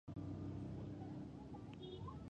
بريتانويانو د ډيورنډ فرضي کرښي پواسطه پښتانه ويشلی دی.